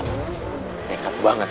nekat banget dia dateng ke rumah